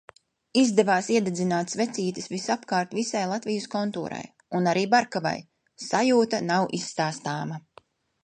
Izdevās iededzināt svecītes visapkārt visai Latvijas kontūrai. Un arī Barkavai. Sajūta nav izstāstāma.